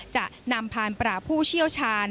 จะนำพานปราบผู้เชี่ยวชาญ